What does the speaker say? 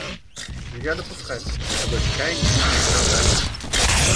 Нельзя допускать, чтобы их чаяния не оправдались.